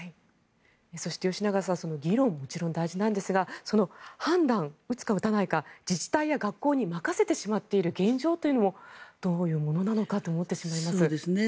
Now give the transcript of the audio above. そして、吉永さん議論はもちろん大事ですが判断、打つか打たないかを自治体や学校に任せてしまっている現状をどういうものなのかと思ってしまいます。